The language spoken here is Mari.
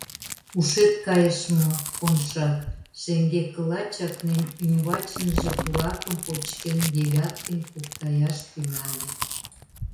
— Ушет кайыш мо, Коншак... — шеҥгекыла чакнен, ӱмбачынже пуракым почкен, Девяткин куктаяш тӱҥале.